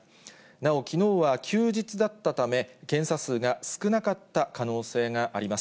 なお、きのうは休日だったため、検査数が少なかった可能性があります。